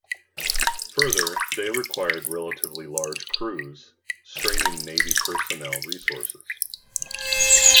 Further, they required relatively large crews, straining Navy personnel resources.